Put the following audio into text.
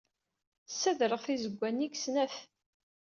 Ssadreɣ tizewwa-nni deg snat.